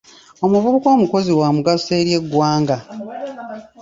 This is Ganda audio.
Omuvubuka omukozi wa mugaso eri eggwanga.